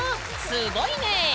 すごいね！